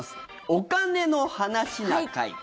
「お金の話な会」。